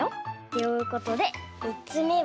ということでみっつめは。